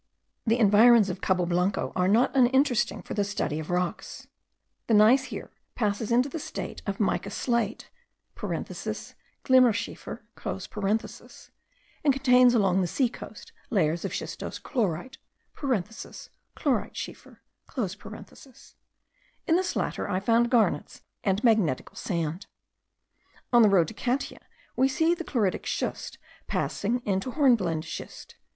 The environs of Cabo Blanco are not uninteresting for the study of rocks. The gneiss here passes into the state of mica slate (Glimmerschiefer.), and contains, along the sea coast, layers of schistose chlorite. (Chloritschiefer.) In this latter I found garnets and magnetical sand. On the road to Catia we see the chloritic schist passing into hornblende schist.